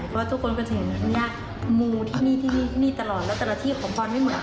เพราะว่าทุกคนก็จะเห็นที่เนี่ยมูที่นี่ที่นี่ที่นี่ตลอดแล้วแต่ละที่ขอโปรไม่เหมือนกัน